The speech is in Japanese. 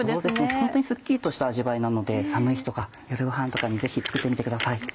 ホントにすっきりとした味わいなので寒い日とか夜ごはんとかにぜひ作ってみてください。